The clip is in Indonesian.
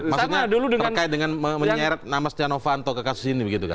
maksudnya terkait dengan menyeret nama stiano fanto ke kasus ini begitu kan